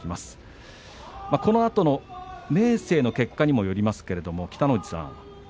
このあとの明生の結果にもよりますが北の富士さん